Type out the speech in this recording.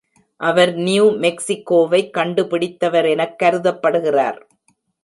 அவர் New மெக்சிகோவைக் கண்டு பிடித்தவர் எனக் கருதப்படுகிறார்.